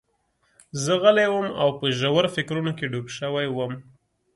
زه غلی وم او په ژورو فکرونو کې ډوب شوی وم